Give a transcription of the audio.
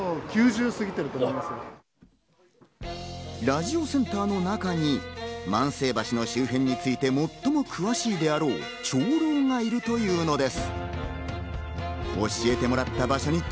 ラジオセンターの中に万世橋の周辺について最も詳しいであろう長老がいるというのです。